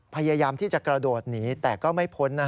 พยายามที่จะกระโดดหนีแต่ก็ไม่พ้นนะ